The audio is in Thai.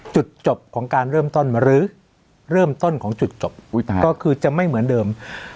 จุดจบของการเริ่มต้นหรือเริ่มต้นของจุดจบก็คือจะไม่เหมือนเดิม